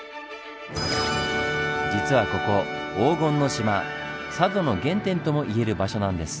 実はここ「黄金の島」佐渡の原点とも言える場所なんです。